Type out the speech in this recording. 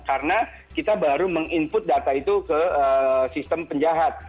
karena kita baru meng input data itu ke sistem penjahat